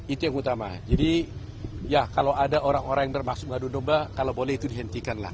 itu yang utama jadi ya kalau ada orang orang yang bermaksud mengadu domba kalau boleh itu dihentikan lah